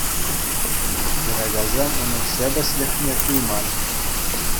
Хӗрачасем унӑн ҫепӗҫлӗхне туйман.